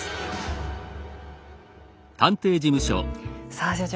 さあ所長